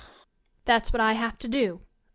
That's what I have to do. U|^